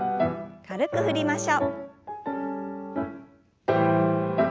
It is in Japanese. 軽く振りましょう。